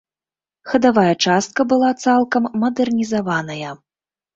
Хадавая частка была цалкам мадэрнізаваная.